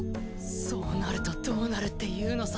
そうなるとどうなるっていうのさ。